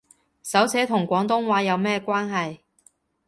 手寫同廣東話有咩關係